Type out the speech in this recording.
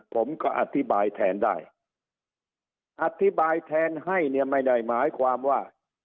ผมก็อธิบายแทนได้อธิบายแทนให้เนี่ยไม่ได้หมายความว่า